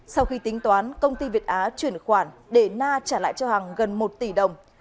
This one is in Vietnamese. sau khi tính toán công ty việt á chuyển khoản để na trả lại cho hàng gần một tỷ đồng